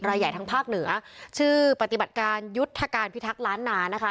รายใหญ่ทางภาคเหนือชื่อปฏิบัติการยุทธการพิทักษ์ล้านนานะคะ